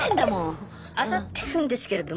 当たってるんですけれども。